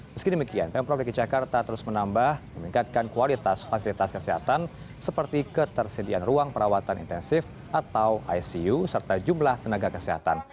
meski demikian pemprov dki jakarta terus menambah meningkatkan kualitas fasilitas kesehatan seperti ketersediaan ruang perawatan intensif atau icu serta jumlah tenaga kesehatan